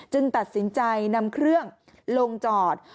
ตัดสินใจนำเครื่องลงจอด